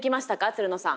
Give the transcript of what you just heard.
つるのさん。